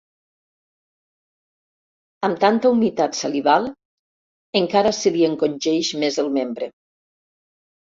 Amb tanta humitat salival, encara se li encongeix més el membre.